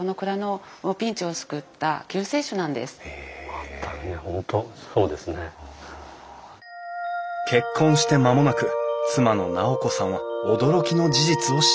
全くね本当そうですね。結婚して間もなく妻の尚子さんは驚きの事実を知った。